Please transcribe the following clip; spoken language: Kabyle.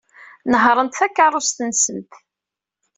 Nehhṛent takeṛṛust-nsent.